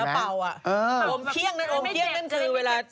เวลาเป่าอ่ะโอมเพี้ยงนั่นคือเวลาไม่เจ็บ